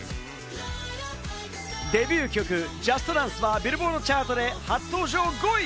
デビュー曲『ＪＵＳＴＤＡＮＣＥ！』はビルボードチャートで初登場５位。